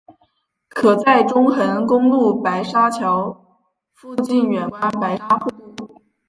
可在中横公路白沙桥附近远观白沙瀑布。